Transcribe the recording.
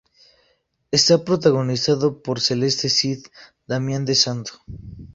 Está protagonizado por Celeste Cid, Damián De Santo.